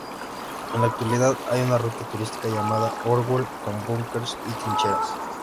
En la actualidad, hay una ruta turística llamada Orwell con búnkeres y trincheras.